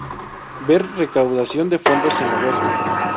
Ver recaudación de fondos en la web.